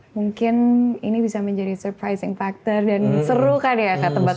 mungkin ini bisa menjadi faktor kekejutan dan seru kan ya kak tebak tebakan